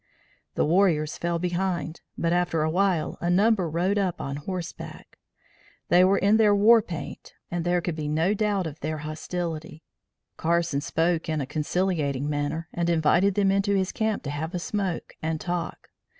The warriors fell behind, but after awhile, a number rode up on horseback. They were in their war paint and there could be no doubt of their hostility. Carson spoke in a conciliating manner and invited them into his camp to have a smoke and talk.